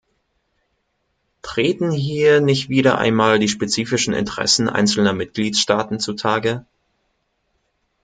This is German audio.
Treten hier nicht wieder einmal die spezifischen Interessen einzelner Mitgliedstaaten zutage?